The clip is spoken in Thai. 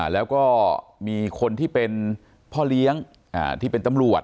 แล้วก็มีคนที่เป็นพ่อเลี้ยงที่เป็นตำรวจ